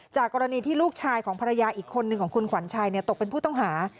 กรณีที่ลูกชายของภรรยาอีกคนนึงของคุณขวัญชัยตกเป็นผู้ต้องหา